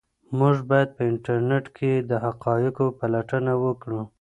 موږ باید په انټرنيټ کې د حقایقو پلټنه وکړو.